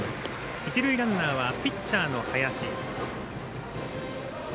一塁ランナーはピッチャーの林。